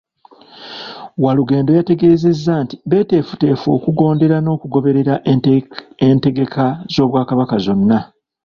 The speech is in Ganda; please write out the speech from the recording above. Walugendo yategeezezza nti beetegefu okugondera n’okugoberera entegeka z’Obwakabaka zonna.